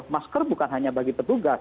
masker bukan hanya bagi petugas